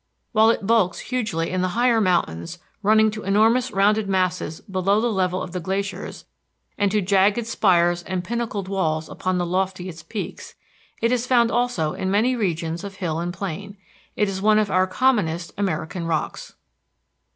While it bulks hugely in the higher mountains, running to enormous rounded masses below the level of the glaciers, and to jagged spires and pinnacled walls upon the loftiest peaks, it is found also in many regions of hill and plain. It is one of our commonest American rocks.